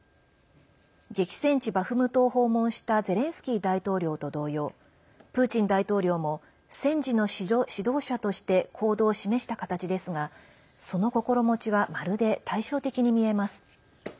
激戦地バフムトを訪問したゼレンスキー大統領と同様プーチン大統領も戦時の指導者として行動を示した形ですがその心持ちはまるで対照的に見えます。